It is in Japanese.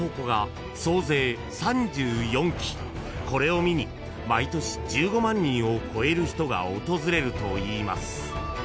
［これを見に毎年１５万人を超える人が訪れるといいます］